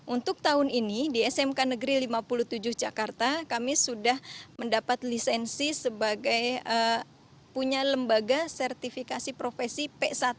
untuk tahun ini di smk negeri lima puluh tujuh jakarta kami sudah mendapat lisensi sebagai punya lembaga sertifikasi profesi p satu